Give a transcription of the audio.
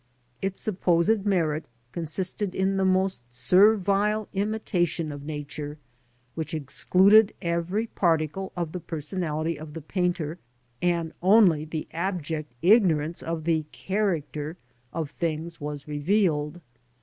Its supposed merit consisted in the most servile imitation of Nature, which excluded every particle of the personality of the painter, and only the abject ignorance of the character of things was revealed.